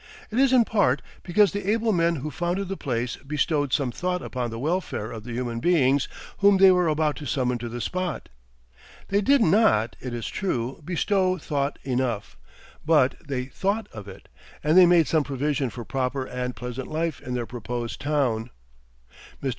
It is in part because the able men who founded the place bestowed some thought upon the welfare of the human beings whom they were about to summon to the spot. They did not, it is true, bestow thought enough; but they thought of it, and they made some provision for proper and pleasant life in their proposed town. Mr.